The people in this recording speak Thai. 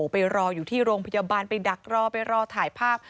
ไปรออยู่ที่โรงพยาบาลไปดักรอไปรอถ่ายภาพ